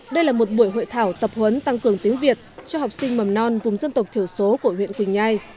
đây là một buổi hội thảo tập huấn tăng cường tiếng việt cho học sinh mầm non vùng dân tộc thiểu số của huyện quỳnh nhai